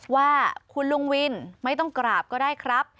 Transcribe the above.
ว่าคุณลุงวินไม่ต้องกราบก็ได้ครับ